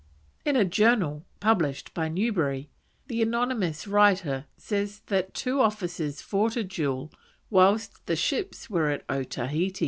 In a journal published by Newbery, the anonymous writer says that two officers fought a duel whilst the ships were at Otaheite.